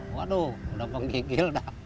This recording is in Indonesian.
waduh sudah penggigil dah